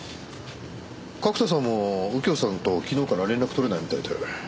角田さんも右京さんと昨日から連絡取れないみたいで。